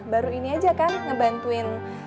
baru ini aja kan ngebantuin